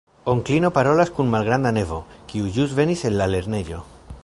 Onklino parolas kun malgranda nevo, kiu ĵus venis el la lernejo.